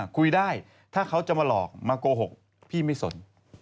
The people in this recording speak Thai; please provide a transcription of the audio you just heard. คุยได้ถ้าเขาจะมาหลอกมาโกหกพี่ไม่สน